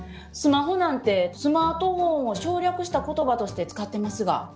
スマホなんてスマートフォンを省略した言葉として使ってますが。